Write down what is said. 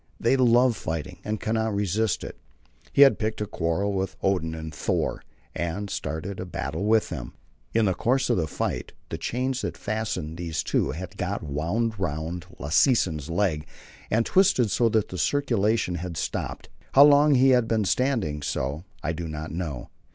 They love fighting, and cannot resist it. He had picked a quarrel with Odin and Thor, and started a battle with them. In the course of the fight the chains that fastened these two had got wound round Lassesen's leg, and twisted so that the circulation was stopped. How long he had been standing so I do not know.